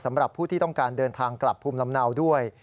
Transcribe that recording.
สำหรับผู้ที่ต้องการเดินทางกลับภูมิลำเนาด้วย